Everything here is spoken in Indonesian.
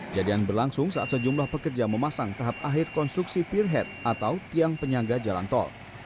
jadian berlangsung saat sejumlah pekerja memasang tahap akhir konstruksi peer head atau tiang penyangga jalan tol